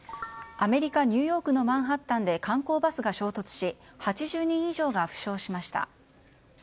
アメリカ・ニューヨークのマンハッタンで観光バスが衝突し８０人以上が負傷しました。